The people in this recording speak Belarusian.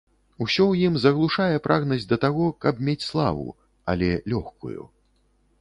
Усё ў ім заглушае прагнасць да таго, каб мець славу, але лёгкую.